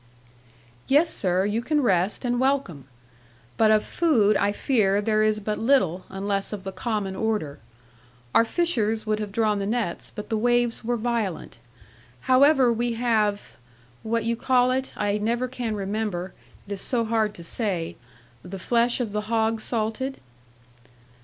'"Yes, sir, you can rest and welcome. But of food, I fear, there is but little, unless of the common order. Our fishers would have drawn the nets, but the waves were violent. However, we have what you call it? I never can remember, it is so hard to say the flesh of the hog salted."